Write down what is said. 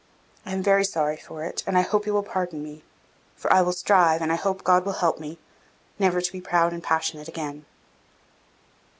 I am very sorry for it, and I hope you will pardon me; for I will strive, and I hope God will help me, never to be proud and passionate again."